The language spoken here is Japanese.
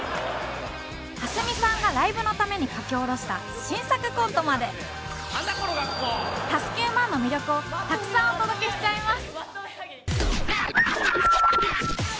蓮見さんがライブのために書き下ろした新作コントまで「＋９００００」の魅力をたくさんお届けしちゃいます